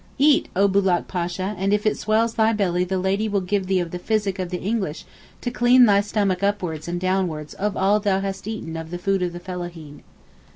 'Eat, oh Bulook Pasha and if it swells thy belly the Lady will give thee of the physick of the English to clean thy stomach upwards and downwards of all thou hast eaten of the food of the fellaheen.